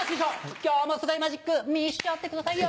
今日もすごいマジック見しちゃってくださいよ。